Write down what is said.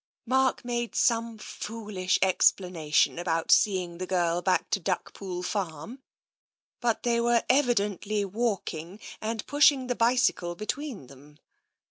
" Mark made some foolish explanation about seeing 64 TENSION the girl back to Duckpool Farm, but they were evidently walking, and pushing the bicycle between them."